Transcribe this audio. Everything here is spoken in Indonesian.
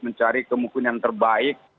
mencari kemungkinan terbaik